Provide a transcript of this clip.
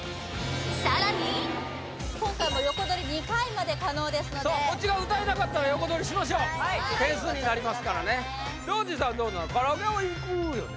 さらに今回も横取り２回まで可能ですのでこっちが歌えなかったら横取りしましょう点数になりますからね堂珍さんどうなのカラオケは行くよね？